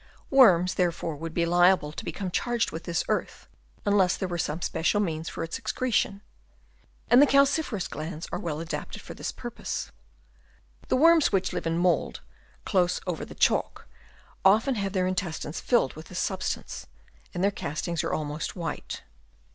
Worms therefore would be liable to become charged with this earth, unless there were some special means for its excretion ; and the calciferous glands are well adapted for this purpose. The worms which live in mould close over the chalk, often have their intestines filled with this substance, and their castings are almost white.